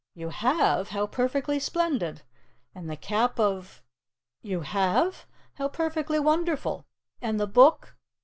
You have? How perfectly splendid! And the Cap of ? You have? How perfectly wonderful! And the Book?